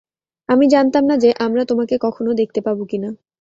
আমি জানতাম না যে আমরা তোমাকে কখনও দেখতে পাব কি না।